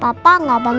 bebantukan tidak banyak